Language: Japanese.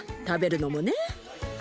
食べるのもね。